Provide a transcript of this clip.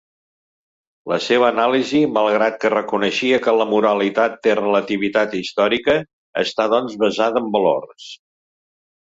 La seva anàlisi, malgrat que reconeixia que la moralitat té relativitat històrica, està, doncs, basada en valors.